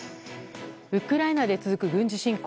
ウクライナで続く軍事侵攻。